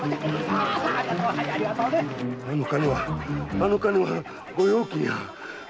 あのお金は御用金や！